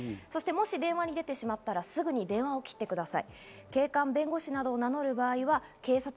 電話に出てしまったら、すぐ電話を切ってください。